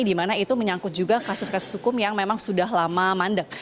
di mana itu menyangkut juga kasus kasus hukum yang memang sudah lama mandek